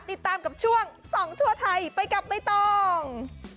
ติดตามกับช่วงส่องทั่วไทยไปกับใบตอง